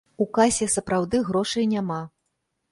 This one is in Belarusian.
У касе сапраўды грошай няма.